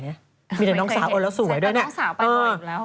ไม่เคยเห็นใส่ไปน้องสาวไปบ่อยอยู่แล้วมีแต่น้องสาวอ่อนแล้วสวย